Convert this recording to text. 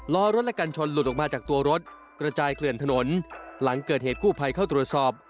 ล้อรถและกันชนหลุดออกมาจากตัวรถกระจายเกลื่อนถนนหลังเกิดเหตุกู้ภัยเข้าตรวจสอบ